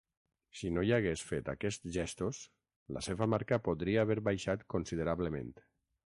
Si no hagués fet aquests gestos, la seva marca podria haver baixat considerablement.